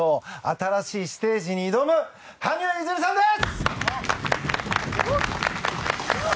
新しいステージに挑む羽生結弦さんです！